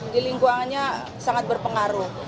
di lingkungannya sangat berpengaruh